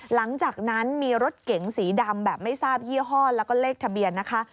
หลังจากนั้นมีรถเก๋งสีดำแบบไม่ทราบยี่ห้อแล้วก็เลขทะเบียนนะคะ